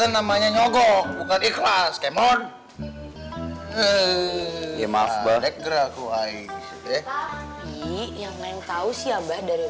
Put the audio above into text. namanya nyogok bukan ikhlas kemon emas berdekra kuai yang lain tahu si abah dari